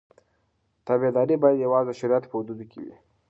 تابعداري باید یوازې د شریعت په حدودو کې وي.